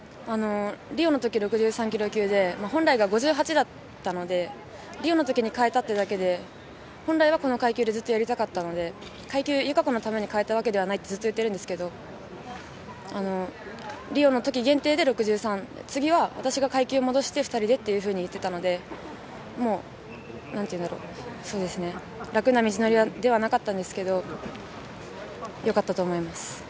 リオのとき６３キロ級で、本来が５８だったので、リオのときに変えたというだけで、本来はこの階級でずっとやりたかったので、階級、友香子のために変えたわけではないってずっと言ってるんですけど、リオのとき限定で６３、次は私が階級を戻して２人でっていうふうに言っていたので、もう、なんていうんだろう、そうですね、楽な道のりではなかったんですけれども、よかったと思います。